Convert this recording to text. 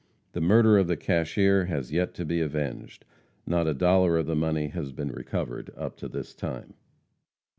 The murder of the cashier has yet to be avenged. Not a dollar of the money has been recovered up to this time.